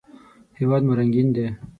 هېواد مو رنګین دی